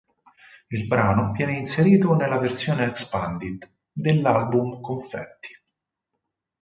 Il brano viene inserito nella versione "expanded" dell'album "Confetti".